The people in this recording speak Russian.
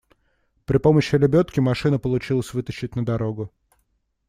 При помощи лебедки машину получилось вытащить на дорогу.